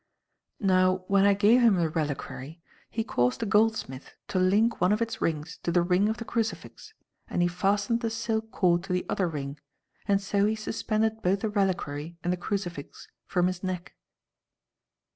Now, when I gave him the reliquary, he caused a goldsmith to link one of its rings to the ring of the crucifix and he fastened the silk cord to the other ring, and so suspended both the reliquary and the crucifix from his neck."